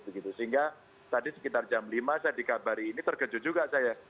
sehingga tadi sekitar jam lima saya dikabari ini terkejut juga saya